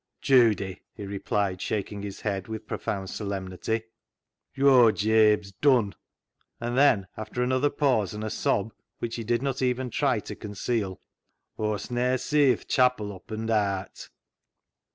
Judy," he replied, shaking his head with profound solemnity, " yo'r Jabe's dun." And then, after another pause and a sob, which he did not even try to conceal, " Aw'st ne'er see th' chapil oppened aat."